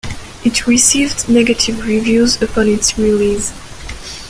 It received negative reviews upon its release.